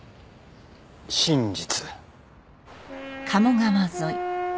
「真実」。